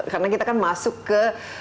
karena kita kan masuk ke